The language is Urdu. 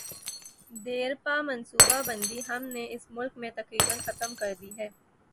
دیرپا منصوبہ بندی ہم نے اس ملک میں تقریبا ختم کر دی ہے۔